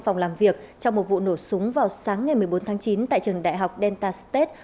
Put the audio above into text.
phòng làm việc trong một vụ nổ súng vào sáng ngày một mươi bốn tháng chín tại trường đại học deltaste